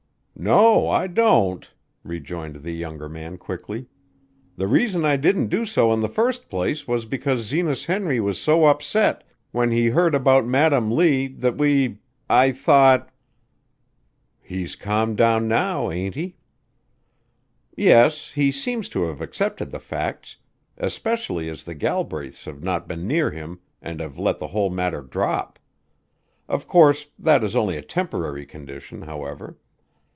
"No, I don't," rejoined the younger man quickly. "The reason I didn't do so in the first place was because Zenas Henry was so upset when he heard about Madam Lee that we I thought " "He's calmed down now, ain't he?" "Yes, he seems to have accepted the facts, especially as the Galbraiths have not been near him and have let the whole matter drop. Of course that is only a temporary condition, however.